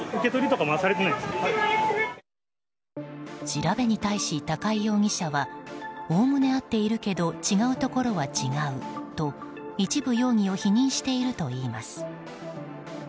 調べに対し、高井容疑者はおおむね合っているけど違うところは違うと一部、容疑を否認しているといいます。